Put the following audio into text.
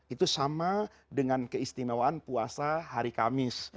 itu sama dengan keistimewaan puasa hari kamis